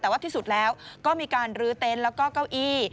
แต่ว่าที่สุดแล้วก็มีการลื้อเต็นต์แล้วก็เก้าอี้